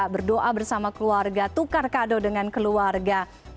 berdoa bersama keluarga tukar kado dengan keluarga